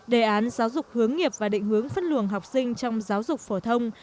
đề án giáo dục hướng nghiệp và định hướng phân luồng học sinh trong giáo dục phổ thông